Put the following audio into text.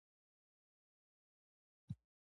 ولې نه د نکريزو په شپه به مينه افغاني کالي اغوندي.